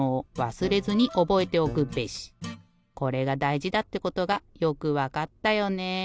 これがだいじだってことがよくわかったよねえ。